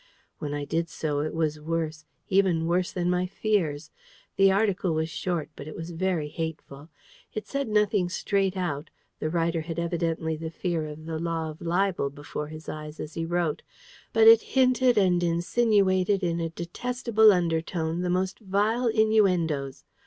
When I did so, it was worse, even worse than my fears. The article was short, but it was very hateful. It said nothing straight out the writer had evidently the fear of the law of libel before his eyes as he wrote, but it hinted and insinuated in a detestable undertone the most vile innuendoes.